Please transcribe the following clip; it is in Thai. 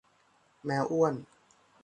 แมวอ้วน